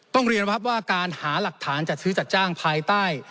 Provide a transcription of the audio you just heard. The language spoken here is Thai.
ต้องเรียนท่านอาจารย์ว่าการหารักฐานจัดซื้อจัดจ้างภายใต้